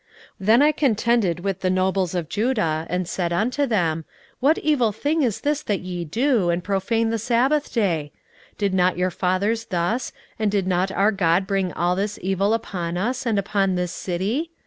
16:013:017 Then I contended with the nobles of Judah, and said unto them, What evil thing is this that ye do, and profane the sabbath day? 16:013:018 Did not your fathers thus, and did not our God bring all this evil upon us, and upon this city?